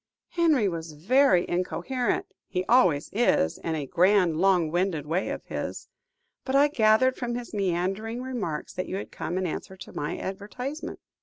Henry was very incoherent; he always is, in a grand, long winded way of his own. But I gathered from his meandering remarks, that you had come in answer to my advertisement."